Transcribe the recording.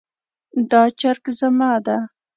دا چرګ زما ده